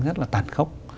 rất là tàn khốc